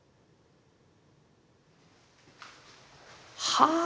はあ！